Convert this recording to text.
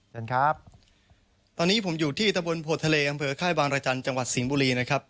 เชิญครับตอนนี้ผมอยู่ที่ตะบนโพทะเลอำเภอค่ายบางรจันทร์จังหวัดสิงห์บุรีนะครับ